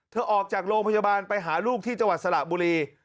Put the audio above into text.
ออกจากโรงพยาบาลไปหาลูกที่จังหวัดสระบุรี